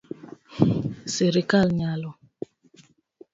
Sirkal nyalo